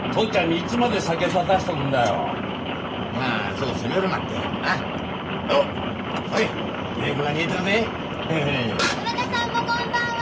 どなたさんもこんばんは！